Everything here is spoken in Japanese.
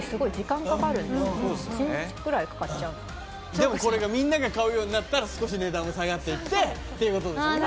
でもこれみんなが買うようになったら少し値段も下がって行ってっていうことですよね？